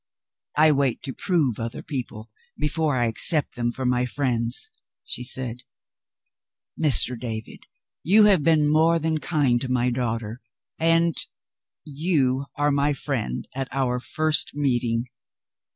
"I wait to prove other people before I accept them for my friends," she said. "Mr. David, you have been more than kind to my daughter and you are my friend at our first meeting."